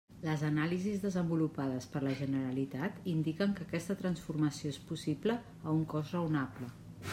Les anàlisis desenvolupades per la Generalitat indiquen que aquesta transformació és possible a un cost raonable.